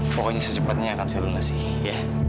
pokoknya secepatnya akan saya lunasi ya